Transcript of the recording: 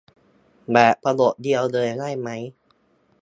แบบประโยคเดียวเลยได้ไหม